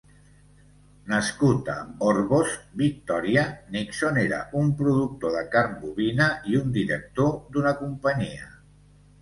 Nascut a Orbost, Victoria, Nixon era un productor de carn bovina i un director d'una companyia.